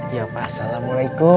iya pak assalamualaikum